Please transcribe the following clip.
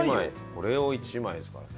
これを１枚ですからね。